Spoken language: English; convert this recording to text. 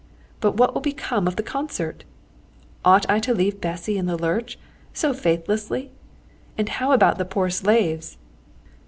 But what will become of the concert? Ought I to leave Bessy in the lurch so faithlessly? And how about the poor slaves?